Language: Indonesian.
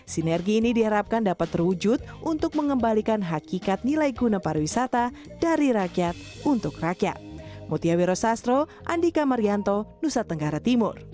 sinergi ini diharapkan dapat terwujud untuk mengembalikan hakikat nilai guna pariwisata dari rakyat untuk rakyat